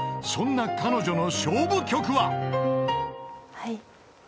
［そんな彼女の勝負曲は］